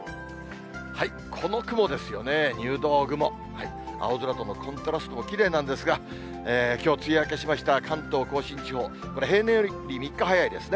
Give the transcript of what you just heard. この雲ですよね、入道雲、青空とのコントラストもきれいなんですが、きょう、梅雨明けしました関東甲信地方、これ、平年より３日早いですね。